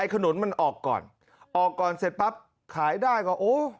ขนุนมันออกก่อนออกก่อนเสร็จปั๊บขายได้ก็โอ้